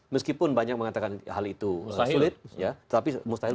meskipun banyak mengatakan hal itu sulit ya tapi mustahil